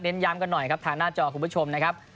ย้ำกันหน่อยครับทางหน้าจอคุณผู้ชมนะครับ